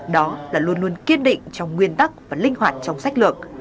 đó là luôn luôn kiên định trong nguyên tắc và linh hoạt trong sách lược